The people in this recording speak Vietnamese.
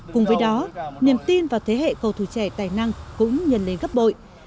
cùng với đó niềm tin vào thế hệ cầu thủ trẻ tài năng cũng nhân lên gấp bội